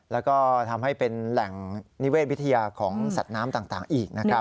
แล้วก็ทำให้เป็นแหล่งนิเวศวิทยาของสัตว์น้ำต่างอีกนะครับ